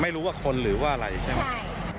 ไม่รู้ว่าคนหรือว่าอะไรใช่ไหม